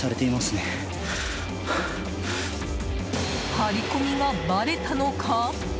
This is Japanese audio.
張り込みがバレたのか？